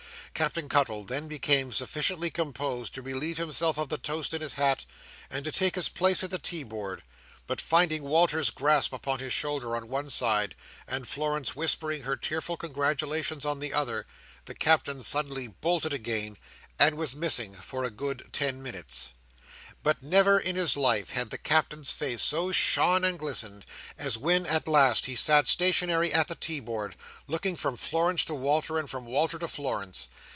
Captain Cuttle then became sufficiently composed to relieve himself of the toast in his hat, and to take his place at the tea board; but finding Walter's grasp upon his shoulder, on one side, and Florence whispering her tearful congratulations on the other, the Captain suddenly bolted again, and was missing for a good ten minutes. But never in all his life had the Captain's face so shone and glistened, as when, at last, he sat stationary at the tea board, looking from Florence to Walter, and from Walter to Florence.